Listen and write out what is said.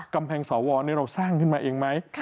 กำแพงสวนี่เราสร้างขึ้นมาเองไหม